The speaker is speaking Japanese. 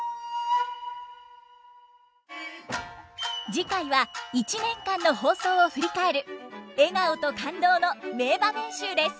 次回は１年間の放送を振り返る笑顔と感動の名場面集です。